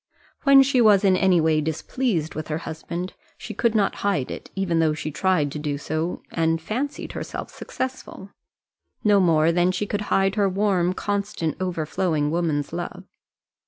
When she was in any way displeased with her husband, she could not hide it, even though she tried to do so, and fancied herself successful; no more than she could hide her warm, constant, overflowing woman's love.